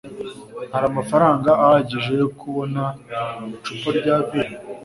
Hari amafaranga ahagije yo kubona icupa rya vino?